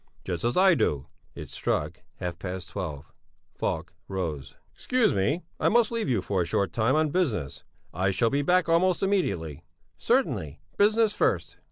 "Just as I do." It struck half past twelve. Falk rose. "Excuse me, I must leave you for a short time, on business. I shall be back almost immediately." "Certainly, business first."